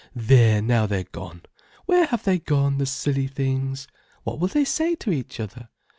"There, now they're gone. Where have they gone, the silly things? What will they say to each other?